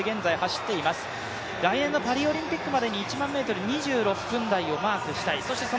来年のパリオリンピックまでに１００００ｍ、２６分台をマークしていきたい。